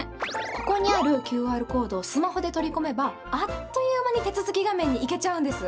ここにあるＱＲコードをスマホで取り込めばあっという間に手続き画面に行けちゃうんです。